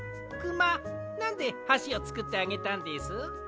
くまなんではしをつくってあげたんです？